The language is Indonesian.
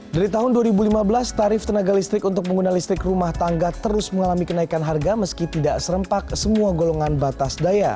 dari tahun dua ribu lima belas tarif tenaga listrik untuk pengguna listrik rumah tangga terus mengalami kenaikan harga meski tidak serempak semua golongan batas daya